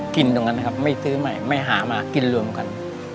กินตรงนั้นนะครับไม่ซื้อใหม่ไม่หามากินรวมกัน